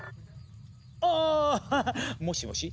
あぁっ！もしもし？